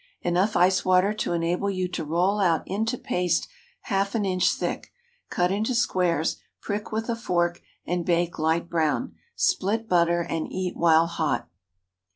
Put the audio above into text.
Enough ice water to enable you to roll out into paste half an inch thick. Cut into squares, prick with a fork, and bake light brown. Split, butter, and eat while hot.